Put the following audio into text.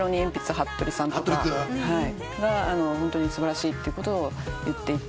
はっとりさんがホントに素晴らしいってことを言っていて。